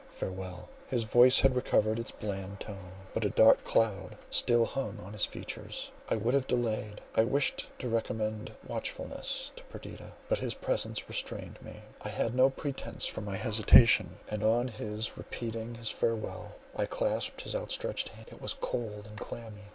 Farewell!" His voice had recovered its bland tone, but a dark cloud still hung on his features. I would have delayed; I wished to recommend watchfulness to Perdita, but his presence restrained me. I had no pretence for my hesitation; and on his repeating his farewell, I clasped his outstretched hand; it was cold and clammy.